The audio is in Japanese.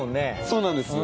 そうなんです。